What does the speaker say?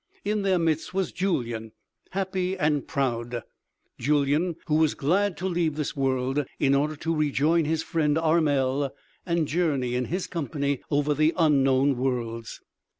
In their midst was Julyan, happy and proud; Julyan who was glad to leave this world in order to rejoin his friend Armel, and journey in his company over the unknown worlds.